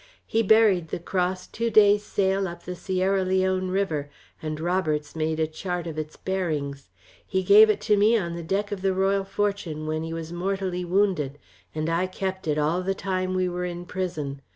He buried the cross, two days sail up the Sierra Leone River, and Roberts made a chart of its bearings. He gave it to me on the deck of the Royal Fortune when he was mortally wounded, and I kept it all the time we were in prison.